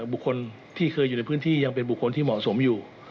บุคคลที่เคยอยู่ในพื้นที่ยังเป็นบุคคลที่เหมาะสมอยู่